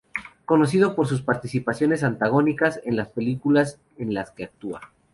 Conocido por sus participaciones antagónicas en las películas en las que actúa.